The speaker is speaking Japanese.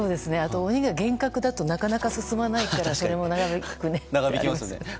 鬼が厳格だとなかなか進まないからそれも長引きますよね。